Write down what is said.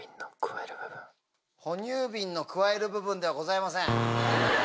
哺乳瓶の咥える部分ではございません。